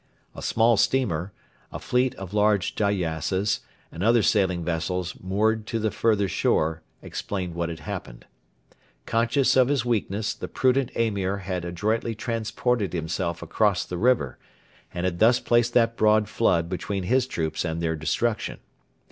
A small steamer, a fleet of large gyassas and other sailing vessels moored to the further shore explained what had happened. Conscious of his weakness, the prudent Emir had adroitly transported himself across the river, and had thus placed that broad flood between his troops and their destruction.